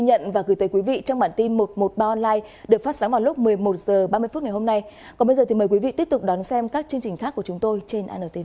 hãy đăng ký kênh để ủng hộ kênh của mình nhé